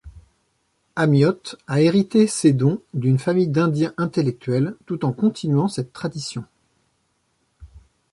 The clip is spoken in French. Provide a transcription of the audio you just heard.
Amiotte a hérité ses dons d’une famille d’Indiens intellectuels, tout en continuant cette tradition.